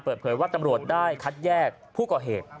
เปิดเผยว่าตำรวจได้คัดแยกผู้ก่อเหตุ